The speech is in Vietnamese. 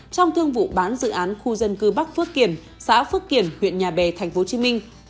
trong thương vụ bán dự án khu dân cư bắc phước kiển xã phước kiển huyện nhà bè tp hcm